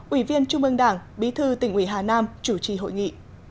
ủy viên trung ương đảng bí thư tỉnh ủy hà nam chủ trì hội nghị